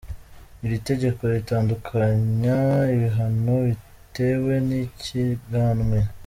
Iri tegeko ritandukanya ibihano bitewe n’icyiganwe.